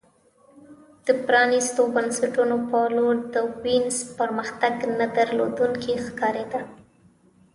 د پرانیستو بنسټونو په لور د وینز پرمختګ نه درېدونکی ښکارېده